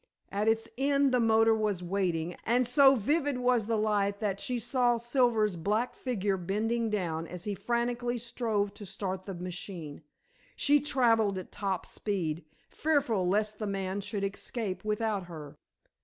At its end the motor was waiting, and so vivid was the light that she saw Silver's black figure bending down as he frantically strove to start the machine. She travelled at top speed, fearful lest the man should escape without her.